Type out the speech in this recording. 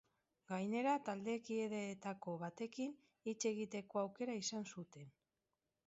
Gainera, taldekideetako batekin hitz egiteko aukera izan zuten.